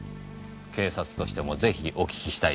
警察としてもぜひお訊きしたいですね。